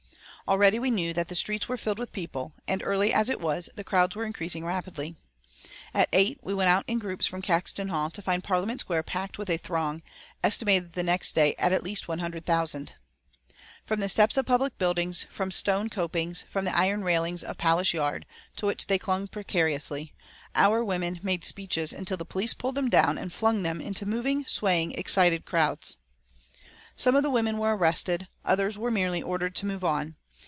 Already we knew that the streets were filled with people, and early as it was the crowds were increasing rapidly. At eight we went out in groups from Caxton Hall, to find Parliament Square packed with a throng, estimated next day at least 100,000. From the steps of public buildings, from stone copings, from the iron railings of the Palace Yard, to which they clung precariously, our women made speeches until the police pulled them down and flung them into the moving, swaying, excited crowds. Some of the women were arrested, others were merely ordered to move on.